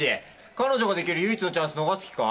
彼女が出来る唯一のチャンス逃す気か？